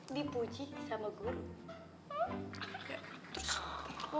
dipuji sama guru